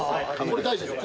これ大事ですよ。